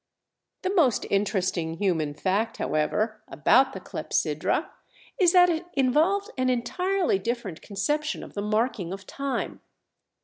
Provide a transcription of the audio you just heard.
The most interesting human fact, however, about the clepsydra is that it involved an entirely different conception of the marking of time.